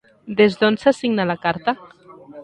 Des d'on se signa la carta?